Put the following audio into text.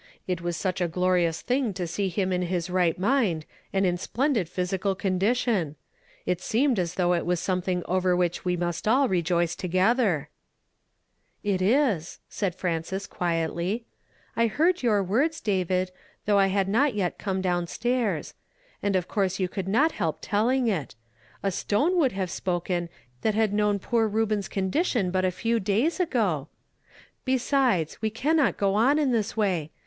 It was such a glorious thing to see him in his right mind, and in splendid jthysical condition ! It seemed as though it was something over which we must all rejoice together." ^ft> 94 YESTERDAY FRAMED IN TO DAY. "It is," said Frances quietly. "I heard your words, David, tliougli I liad not yet come down stairs ; and of course you could not help telling it. A stone would have spoken, that had known l)oor Reuben's condition but a few days ago. Be sides, we cannot go on in this way.